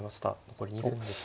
残り２分です。